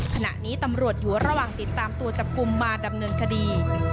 ขณะนี้ตำรวจอยู่ระหว่างติดตามตัวจับกลุ่มมาดำเนินคดี